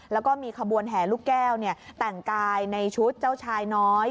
แล้วก็มีขบวนแห่ลูกแก้วแต่งกายในชุดเจ้าชายน้อย